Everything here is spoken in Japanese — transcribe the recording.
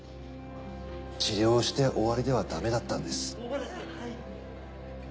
治療をして終わりではダメだったんです。